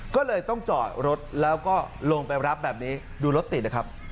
ก็เลยต้องจอดรถแล้วก็ลงไปรับแบบนี้ดูรถติดนะครับ